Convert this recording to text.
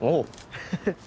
フフフ。